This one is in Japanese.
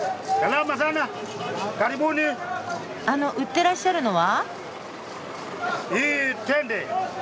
あの売ってらっしゃるのは？